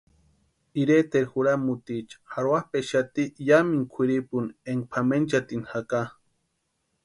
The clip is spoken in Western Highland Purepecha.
Iretaeri juramutiicha jarhuapʼexati yamintu kwʼirupuni énka pʼamenchatini jaka.